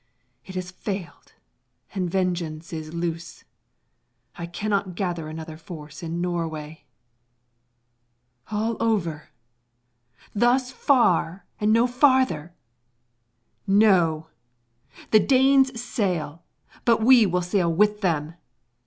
It has failed, and vengeance is loose. I cannot gather another force in Norway! All over? Thus far and no farther? No! The Danes sail, but we will sail with them!